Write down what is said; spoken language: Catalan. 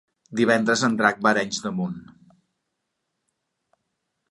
Divendres en Drac va a Arenys de Munt.